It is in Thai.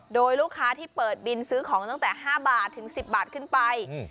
โดยลูกค้าที่เปิดบินซื้อของตั้งแต่๕บาทถึง๑๐บาทขึ้นไป